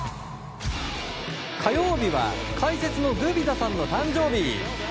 火曜日は解説のグビザさんの誕生日。